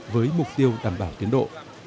với mục tiêu đảm bảo tiến độ